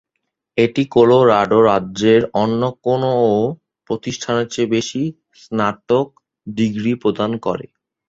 এটি কলোরাডো রাজ্যের অন্য কোনও প্রতিষ্ঠানের চেয়ে বেশি স্নাতক ডিগ্রি প্রদান করে।